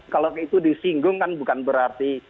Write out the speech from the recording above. kalau itu disinggung kan bukan berarti